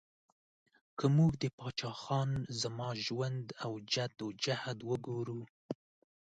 که موږ د پاچا خان زما ژوند او جد او جهد وګورو